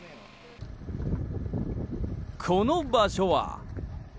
この場所は。